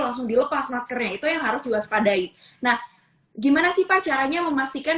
langsung dilepas maskernya itu yang harus diwaspadai nah gimana sih pak caranya memastikan